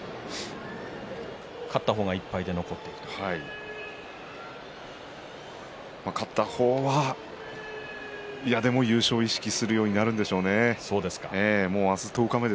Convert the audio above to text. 勝った方が１敗で勝った方は、嫌でも優勝を意識するようになるでしょうね。